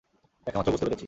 দেখামাত্র বুঝতে পেরেছি।